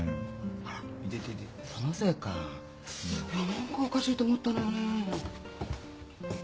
何かおかしいと思ったのよねえ。